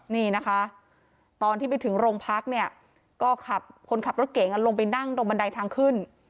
นี่นะคะตอนที่ไปถึงโรงพักเนี่ยก็ขับคนขับรถเก่งลงไปนั่งตรงบันไดทางขึ้น